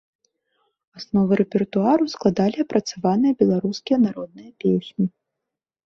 Аснову рэпертуару складалі апрацаваныя беларускія народныя песні.